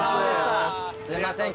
すいません